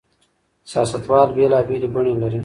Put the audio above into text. سياستوال بېلابېلې بڼې لري.